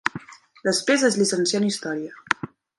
Després es llicencià en Història.